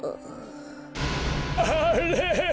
あれ！